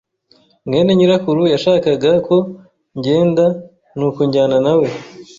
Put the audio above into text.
mwene nyirakuru yashakaga ko ngenda, nuko njyana na we.